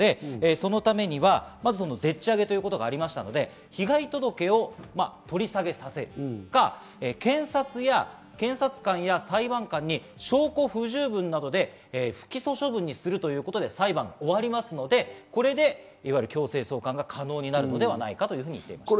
そのためにはまず、でっちあげということがあったので被害届を取り下げさせるか、検察官や裁判官に証拠不十分などで不起訴処分にするということで裁判は終わりますので、これで強制送還が可能になるのではないかとみています。